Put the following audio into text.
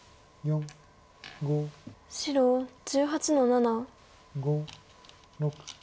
白１８の七。